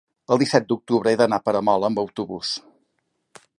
el disset d'octubre he d'anar a Peramola amb autobús.